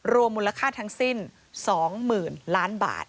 รวมมูลค่าทั้งสิ้น๒๐๐๐ล้านบาท